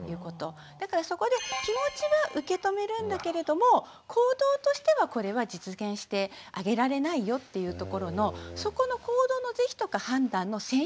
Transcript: だからそこで気持ちは受け止めるんだけれども行動としてはこれは実現してあげられないよっていうところのそこの行動の是非とか判断の線引きをするっていうこと。